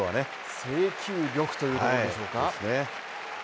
制球力というところでしょうか。